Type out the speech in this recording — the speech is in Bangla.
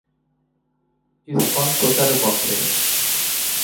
ইসকন প্রচারের পক্ষে।